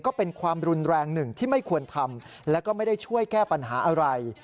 ก็เป็นความรุนแรงหนึ่งที่ไม่ควรทำแล้วก็ไม่ได้ช่วยแก้ปัญหาอะไร